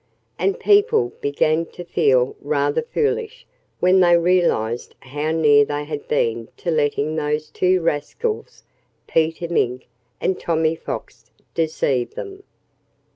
And people began to feel rather foolish when they realized how near they had been to letting those two rascals Peter Mink and Tommy Fox deceive them.